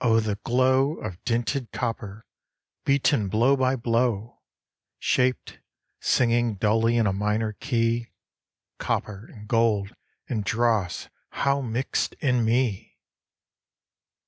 the glow Of dinted copper, beaten blow by blow, Shaped, singing dully in a minor key : Copper and gold and dross how mixed in me